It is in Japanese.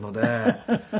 フフフフ。